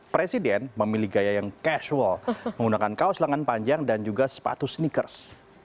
presiden memilih gaya yang casual menggunakan kaos lengan panjang dan juga sepatu sneakers